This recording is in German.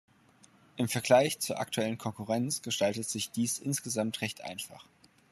Im Vergleich zur aktuellen Konkurrenz gestaltet sich dies insgesamt recht einfach.